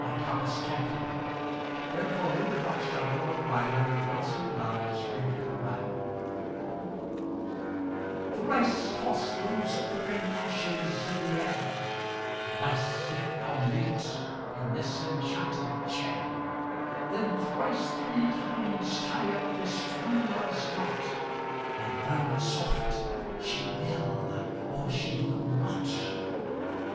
Thomas Campion Thrice Toss Those Oaken Ashes in the Air THRICE toss those oaken ashes in the air; Thrice sit thou mute in this enchanted chair; Then thrice three times tie up this true love's knot, And murmur soft: "She will, or she will not."